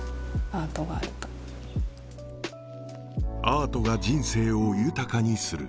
アートが人生を豊かにする